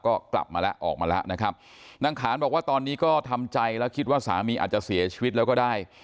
ก็กลับมาแล้วออกมาแล้วนะครับนางขานบอกว่าตอนนี้ก็ทำใจแล้วคิดว่าสามีอาจจะเสียชีวิตแล้วก็ได้